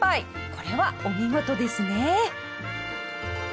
これはお見事ですね。